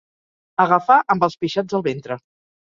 Agafar amb els pixats al ventre.